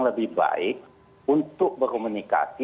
lebih baik untuk berkomunikasi